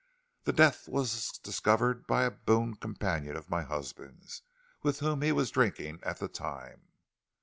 The death was discovered by a boon companion of my husband's, with whom he was drinking at the time."